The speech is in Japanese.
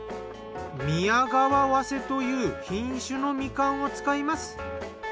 宮川早生という品種のみかんを使います。